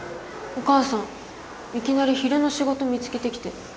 お母さんいきなり昼の仕事見つけてきて。